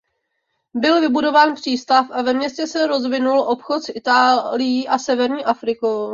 Byl vybudován přístav a ve městě se rozvinul obchod s Itálií a severní Afrikou.